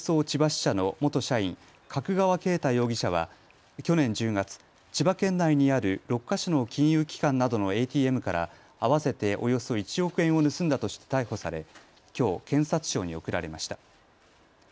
千葉支社の元社員、角川恵太容疑者は去年１０月、千葉県内にある６か所の金融機関などのＡＴＭから合わせておよそ１億円を盗んだとして逮捕されきょう、検察庁に送られました。